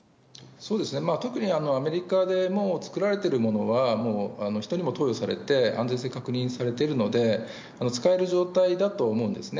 特に、アメリカでもう作られてるものは、もうヒトにも投与されて、安全性確認されているので、使える状態だと思うんですね。